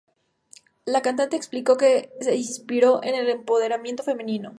La cantante explicó que se inspiró en el empoderamiento femenino.